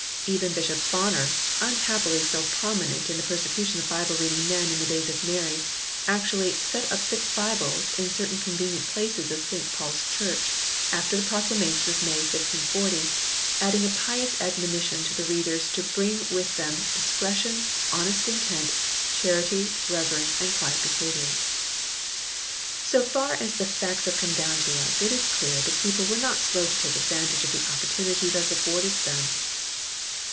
Even Bishop Bonner, unhappily so prominent in the perse cution of Bible reading men in the days of Mary, actually "set up Six Bibles in certain convenient places of St Paul s Church," after the proclamation of May 1540 ; adding a pious admonition to the readers to bring with them "discretion, honest intent, charity, reverence and quiet behaviour." So far as the facts have come down to us, it is clear the people were not slow to take advantage of the oppor tunity thus afforded to them.